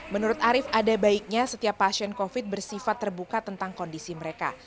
menurut arief ada baiknya setiap pasien covid bersifat terbuka tentang kondisi mereka